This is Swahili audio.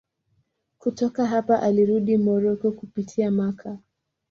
Kutoka hapa alirudi Moroko kupitia Makka.